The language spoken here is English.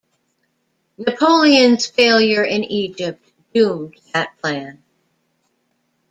Napoleon's failure in Egypt doomed that plan.